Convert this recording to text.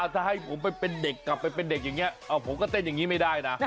ถ้าให้ผมไปเป็นเด็กกลับไปเป็นเด็กอย่างนี้ผมก็เต้นอย่างนี้ไม่ได้นะ